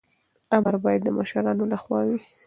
امر باید د مشرانو لخوا وي.